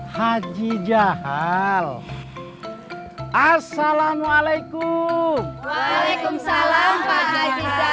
haji jahal assalamualaikum waalaikumsalam pak haji